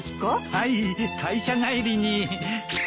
はい会社帰りに。